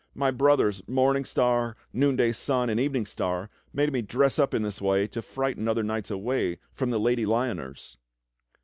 My brothers. Morn ing Star, Noonday Sun, and Evening Star made me dress up in this way to frighten other knights away from the Lady Lyoners."